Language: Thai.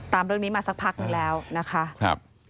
ตามเรื่องนี้มาสักพักนึงแล้วนะคะ